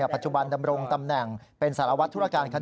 ปัจจุบันดำรงตำแหน่งเป็นสารวัตรธุรการ